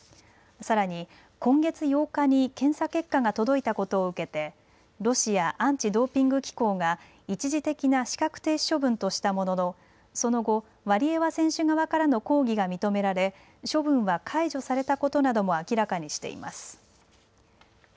さらに今月８日に検査結果が届いたことを受けてロシアアンチドーピング機構が一時的な資格停止処分としたもののその後、ワリエワ選手側からの抗議が認められ処分は解除されたことなども明らかにしています。